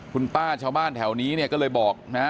คุณป้าชาวบ้านแถวนี้เนี่ยก็เลยบอกนะฮะ